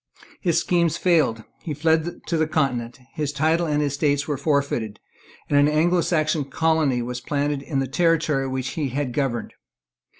His schemes failed; he fled to the continent; his title and his estates were forfeited; and an Anglosaxon colony was planted in the territory which he had governed.